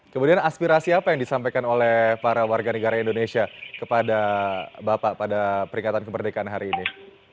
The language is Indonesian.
kemudian aspirasi apa yang disampaikan oleh para warga negara indonesia kepada bapak pada peringatan kemerdekaan hari ini